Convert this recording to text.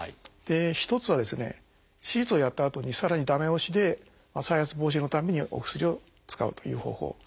一つはですね手術をやったあとにさらに駄目押しで再発防止のためにお薬を使うという方法。